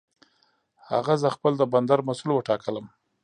هغه زه خپل د بندر مسؤل وټاکلم.